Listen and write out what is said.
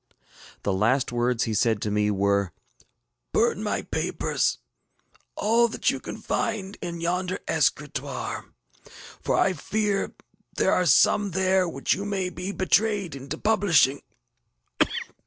ŌĆØ The last words he said to me were, ŌĆ£Burn my papers, all that you can find in yonder escritoire; for I fear there are some there which you may be betrayed into publishing.